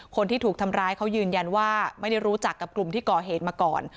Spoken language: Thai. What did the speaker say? คนที่ถูกทำร้ายเขายืนยันว่าไม่ได้รู้จักกับกลุ่มที่ก่อเหตุมาก่อน